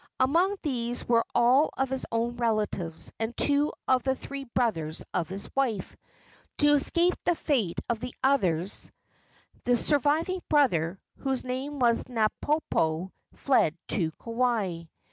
Among these were all of his own relatives and two of the three brothers of his wife. To escape the fate of the others, the surviving brother, whose name was Napopo, fled to Kauai.